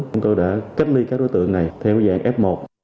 chúng tôi đã cách ly các đối tượng này theo dạng f một